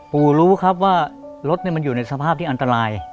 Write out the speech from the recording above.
รู้ครับว่ารถมันอยู่ในสภาพที่อันตราย